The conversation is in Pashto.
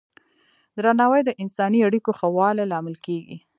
درناوی د انساني اړیکو ښه والي لامل کېږي.